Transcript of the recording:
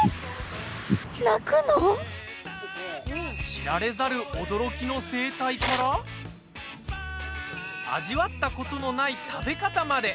知られざる驚きの生態から味わったことのない食べ方まで。